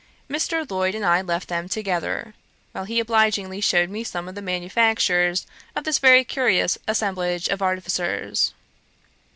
Mr. Lloyd and I left them together, while he obligingly shewed me some of the manufactures of this very curious assemblage of artificers.